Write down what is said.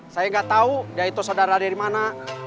saya nggak tahu dia itu saudara dari mana